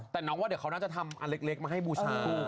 แต่น้องว่าเดี๋ยวเขาน่าจะทำอันเล็กมาให้บูชา